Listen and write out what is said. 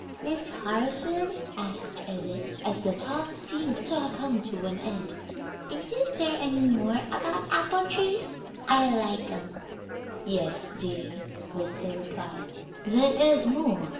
[Illustration: THE APPLE HARVEST.] "Miss Harson," asked Edith, as the talk seemed to have come to an end, "isn't there any more about apple trees? I like 'em." "Yes, dear," was the reply; "there is more.